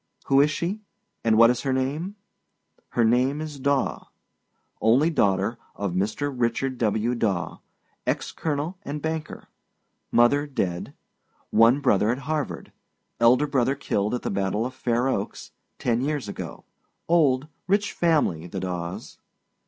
Who is she, and what is her name? Her name is Daw. Only daughter if Mr. Richard W. Daw, ex colonel and banker. Mother dead. One brother at Harvard, elder brother killed at the battle of Fair Oaks, ten years ago. Old, rich family, the Daws.